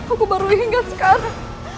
aku baru ingat sekarang